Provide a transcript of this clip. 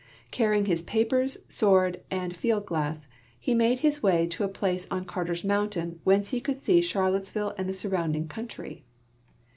Carrying his papers, sword, and field glass, he made his wa}' to a place on Carter's mountain, whence he could see Charlottesville and the surrounding coun try.